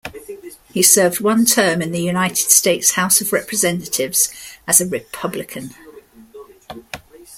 He served one term in the United States House of Representatives as a Republican.